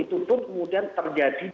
itu pun kemudian terjadi